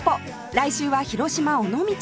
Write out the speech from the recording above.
来週は広島尾道へ